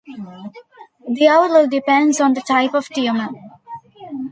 The outlook depends on the type of tumor.